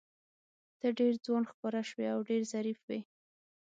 ته ډېر ځوان ښکاره شوې او ډېر ظریف وې.